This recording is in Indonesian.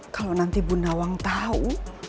kalau nanti bu nawang tahu